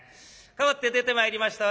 かわって出てまいりました